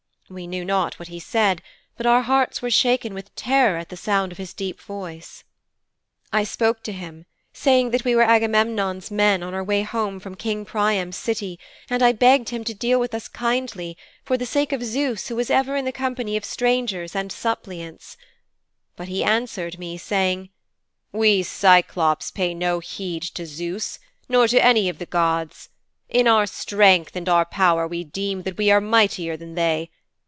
We knew not what he said, but our hearts were shaken with terror at the sound of his deep voice.' 'I spoke to him saying that we were Agamemnon's men on our way home from the taking of Priam's City, and I begged him to deal with us kindly, for the sake of Zeus who is ever in the company of strangers and suppliants. But he answered me saying, "We Cyclôpes pay no heed to Zeus, nor to any of thy gods. In our strength and our power we deem that we are mightier than they.